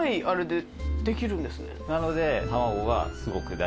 なので。